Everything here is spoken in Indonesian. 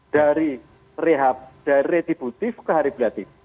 dari rehab dari retributif ke haribulatif